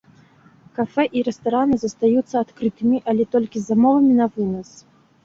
Кафэ і рэстараны застаюцца адкрытымі, але толькі з замовамі на вынас.